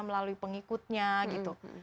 melalui pengikutnya gitu